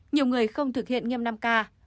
nhiều người không thực hiện nghiêm năm k